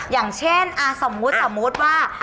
อย่างเช่นสมมติว่า